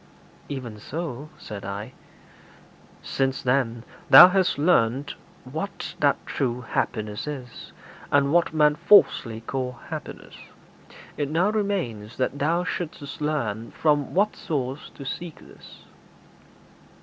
'Even so,' said I. 'Since, then, thou hast learnt what that true happiness is, and what men falsely call happiness, it now remains that thou shouldst learn from what source to seek this.'